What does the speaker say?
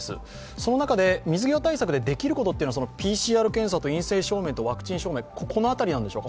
その中で水際対策でできることは、ＰＣＲ検査と陰性証明とワクチン証明この辺りでしょうか？